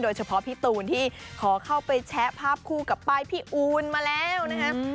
พี่ตูนที่ขอเข้าไปแชะภาพคู่กับป้ายพี่อูนมาแล้วนะครับ